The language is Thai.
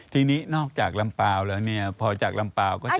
ทีนี้นอกจากลำเปล่าแล้วเนี่ยพอจากลำเปล่าก็จะ